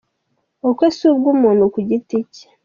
Ubukwe si ubw’umuntu ku giti cye.